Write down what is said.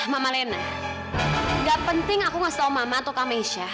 mama lena gak penting aku gak tau mama atau kamesya